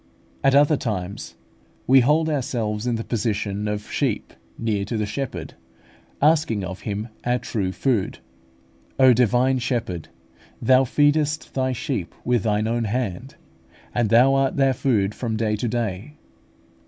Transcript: At other times we hold ourselves in the position of sheep near to the Shepherd, asking of Him our true food. O Divine Shepherd! Thou feedest Thy sheep with Thine own hand, and Thou art their food from day to day.